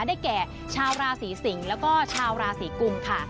ได้แก่ชาวราศีสิงศ์แล้วก็ชาวราศีกุมค่ะ